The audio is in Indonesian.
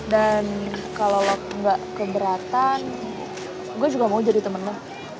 dan kalo lo gak keberatan gue juga mau jadi temen lo